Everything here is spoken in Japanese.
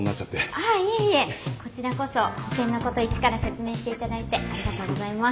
ああいえいえこちらこそ保険のこと一から説明していただいてありがとうございます。